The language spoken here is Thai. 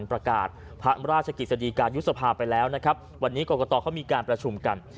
ประกาศพระราชกิจสดีการยุบสภาไปแล้วนะครับวันนี้กรกตเขามีการประชุมกัน